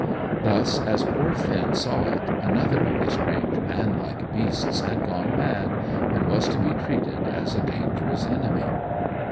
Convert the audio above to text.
Thus, as poor Finn saw it, another of the strange man like beasts had gone mad, and was to be treated as a dangerous enemy.